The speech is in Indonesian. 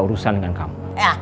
tentu saja nyawamu